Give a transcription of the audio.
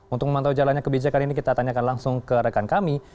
untuk memantau jalannya kebijakan ini kita tanyakan langsung ke rekan kami